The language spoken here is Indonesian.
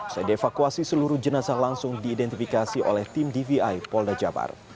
sede evakuasi seluruh jenazah langsung diidentifikasi oleh tim dvi polda jabar